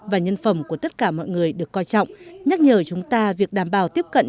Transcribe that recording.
và nhân phẩm của tất cả mọi người được coi trọng nhắc nhở chúng ta việc đảm bảo tiếp cận